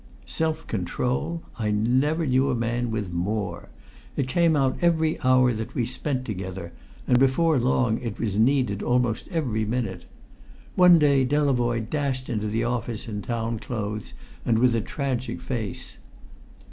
Self control? I never knew a man with more; it came out every hour that we spent together, and before long it was needed almost every minute. One day Delavoye dashed into the office in town clothes and with a tragic face.